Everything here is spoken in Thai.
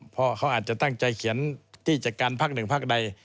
เพราะเขาอาจจะตั้งใจเขียนที่จัดการพักหนึ่งพักใด